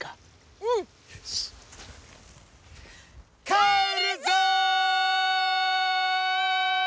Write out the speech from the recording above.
帰るぞ！